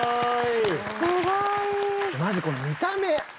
まずこの見た目。